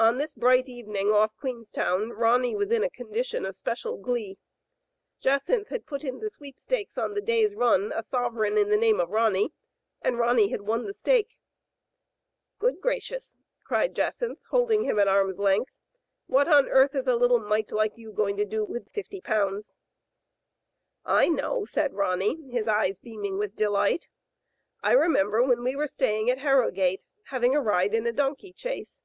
On this bright evening off Queenstown Ronny was in a condition of special glee. Jacynth had put in the sweepstakes on the day's run a sover eign in the name of Ronny, and Ronny had won the stake. "Good gracious!" cried Jacynth, holding him at arm's length, "what on earth is a little mite like you going to do with ;^50?" I know," said Ronny, his eyes beaming with delight. " I remember when we were staying at Digitized by Google 248 THE FATE OF FENELLA. Harrogate having a ride in a donkey chaise.